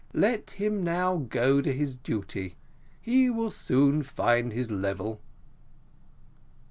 Let him now go to his duty: he will soon find his level."